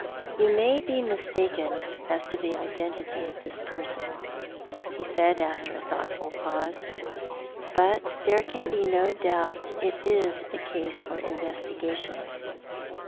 " You may be mistaken as to the identity of this iDerson," he said, after a thoughtful pause, " but there can be no doubt it is a case for investigation.